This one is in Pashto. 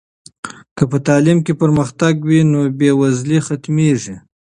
که په تعلیم کې پرمختګ وي نو بې وزلي ختمېږي.